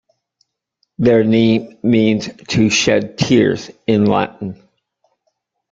Their name means "to shed tears" in Latin.